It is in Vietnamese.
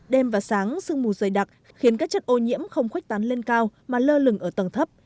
đêm và sáng sương mù dày đặc khiến các chất ô nhiễm không khuếch tán lên cao mà lơ lửng ở tầng thấp